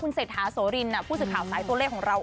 เศรษฐาโสรินผู้สื่อข่าวสายตัวเลขของเรา